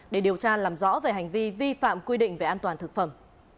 để điều tra làm rõ về hành vi vi phạm quy định về an toàn thực phẩm